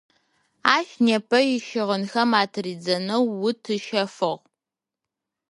Ащ непэ ищыгъынхэм атыридзэнэу ут ыщэфыгъ.